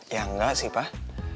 ya enggak sih pak